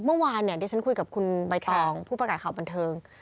เมื่อวานเนี่ยดิฉันคุยกับคุณใบตองผู้ประกาศข่าวบันเทิง